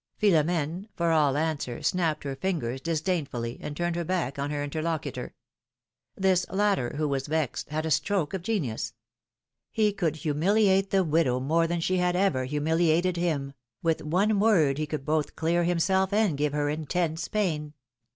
Philomfene, for all answer, snapped her fingers disdain fully, and turned her back on her interlocutor. This 310 PHII.0M^:NE'S MARRIAGES. latter, who was vexed, had a stroke of genius. He could humiliate the widow more than she had ever humiliated him — with one word he could both clear himself and give her intense pain.